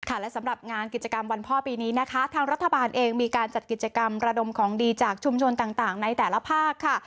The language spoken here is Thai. และสำหรับงานกิจกรรมวันพ่อปีนี้นะคะทางรัฐบาลเองมีการจัดกิจกรรมระดมของดีจากชุมชนต่างในแต่ละภาคค่ะ